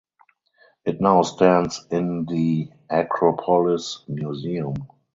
It now stands in the Acropolis Museum.